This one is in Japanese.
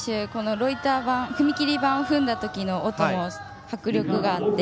ロイター板、踏み切り板を踏んだ時の音も迫力があって。